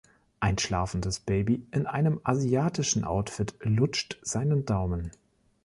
Ein schlafendes Baby in einem asiatischen Outfit lutscht seinen Daumen.